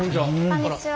こんにちは。